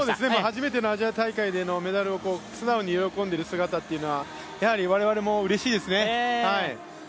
初めてのアジア大会でのメダルを素直に喜んでいる姿というのはやはり我々もうれしいですね。